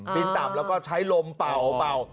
บินต่ำแล้วก็ใช้ลมเป่า